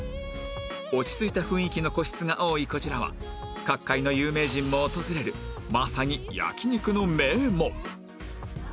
落ち着いた雰囲気の個室が多いこちらは各界の有名人も訪れるまさに焼肉の名門